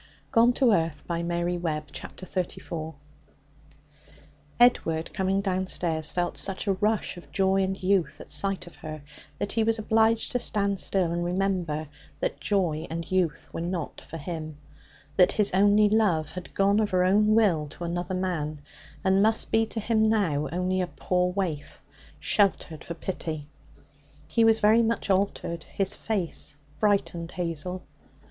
She went to the front door and knocked. Chapter 34 Edward, coming downstairs, felt such a rush of joy and youth at sight of her that he was obliged to stand still and remember that joy and youth were not for him, that his only love had gone of her own will to another man, and must be to him now only a poor waif sheltered for pity. He was very much altered. His face frightened Hazel.